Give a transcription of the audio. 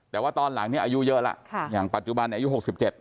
แต่ว่าตอนหลังเนี่ยอายุเยอะแล้วอย่างปัจจุบันอายุหกสิบเจ็ด